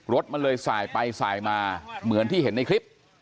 รถมันเลยสายไปสายมาเหมือนที่เห็นในคลิป